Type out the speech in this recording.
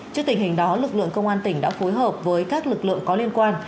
trước tình hình đó lực lượng công an tỉnh đã phối hợp với các lực lượng có liên quan